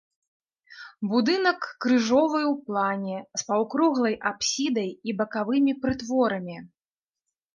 Будынак крыжовы ў плане, з паўкруглай апсідай і бакавымі прытворамі.